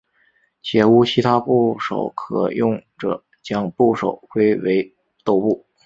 且无其他部首可用者将部首归为豆部。